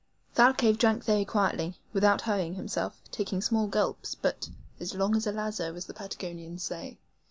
Thalcave drank very quietly, without hurrying himself, taking small gulps, but "as long as a lazo," as the Patagonians say.